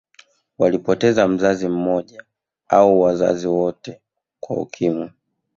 Walipoteza mzazi mmoja au wazazi wote kwa Ukimwi